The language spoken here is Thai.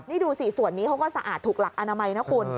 นี่ดูสิส่วนนี้เขาก็สะอาดถูกหลักอนามัยนะคุณ